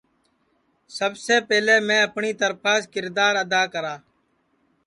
سب پہلے میں اپٹؔی ترپھاس کِردار ادا کرا